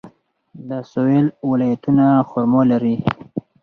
د سویل ولایتونه خرما لري.